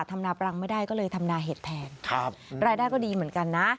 ทำนาปรังไม่ได้ก็เลยทำนาเห็ดแทนครับรายได้ก็ดีเหมือนกันนะ